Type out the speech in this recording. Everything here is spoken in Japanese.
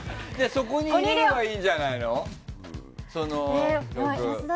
そこに入れればいいんじゃないの？